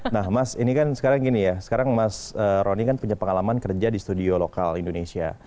nah mas ini kan sekarang gini ya sekarang mas rony kan punya pengalaman kerja di studio lokal indonesia